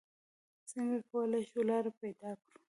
څنګه کولې شو لاره پېدا کړو؟